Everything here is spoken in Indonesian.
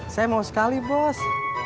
saya mau sekali bos